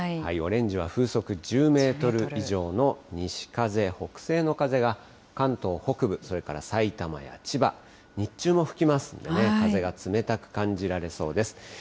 オレンジは風速１０メートル以上の西風、北西の風が関東北部、それからさいたまや千葉、日中も吹きますんでね、風が冷たく感じられそうです。